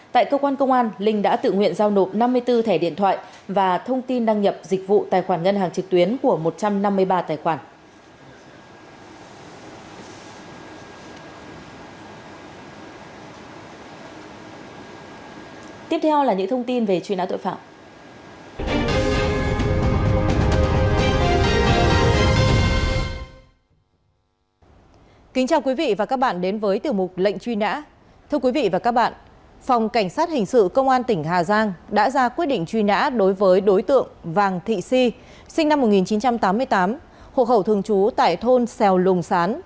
tại cơ quan công an linh đã tự nguyện giao nộp năm mươi bốn thẻ điện thoại và thông tin đăng nhập dịch vụ tài khoản ngân hàng trực tuyến của một trăm năm mươi ba tài khoản